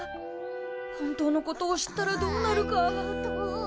本当のことを知ったらどうなるか。